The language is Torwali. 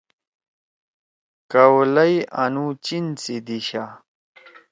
کاؤلئی آنُو چین سی دیِشا